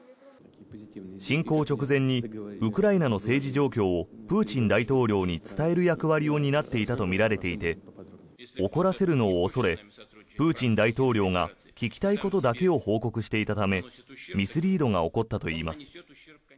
侵攻直前にウクライナの政治状況をプーチン大統領に伝える役割を担っていたとみられていて怒らせるのを恐れプーチン大統領が聞きたいことだけを報告していたため、ミスリードが起こったといいます。